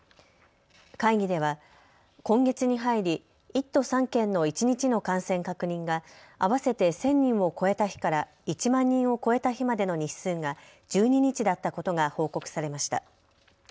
会議では今月に入り１都３県の一日の感染確認が合わせて１０００人を超えた日から１万人を超えた日までの日数が１２日だったことが報告されました。